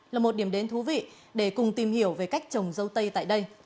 là một điểm đến thú vị để cùng tìm hiểu về cách trồng dâu tây tại đây